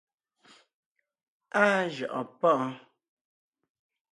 Áa jʉʼɔɔn páʼɔɔn.